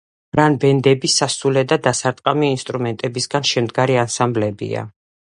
ბრას ბენდები სასულე და დასარტყამი ინსტრუმენტებისგან შემდგარი ანსამბლებია.